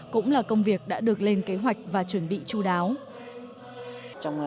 cũng là công việc đã được lên kế hoạch và chuẩn bị chú đáo